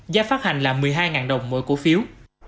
giá phát hành là một mươi hai đồng mỗi cổ phiếu